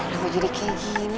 kenapa jadi kayak gini sih